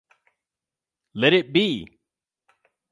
Let it be!